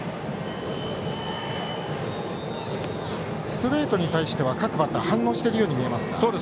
ストレートに対しては各バッター反応しているように見えますが。